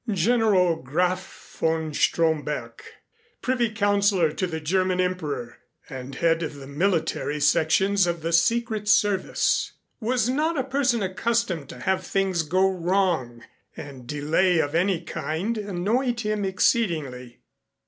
General Graf von Stromberg, Privy Councilor to the German Emperor and head of the military sections of the Secret Service, was not a person accustomed to have things go wrong, and delay of any kind annoyed him exceedingly.